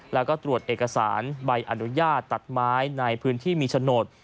แล้วก็ตรวจเอกสารใบอนุญาตตัดไม้ในพื้นที่มีโฉนด